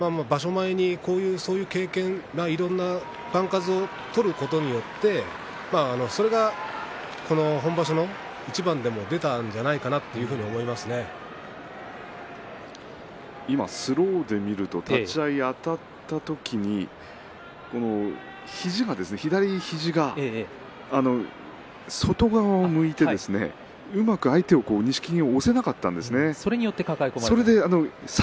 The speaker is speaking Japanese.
前にそういう経験番数を取ることによって今場所の一番でもスローで見ると立ち合いあたった時に肘が、左肘が外側を向いてうまく相手を錦木押せなかったんですね。